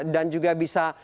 dan juga bisa